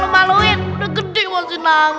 masih gak nyambung